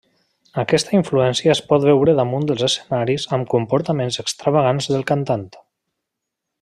Aquesta influència es pot veure damunt dels escenaris amb comportaments extravagants del cantant.